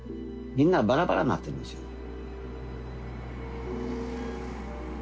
みんなバラバラになってるんですよ。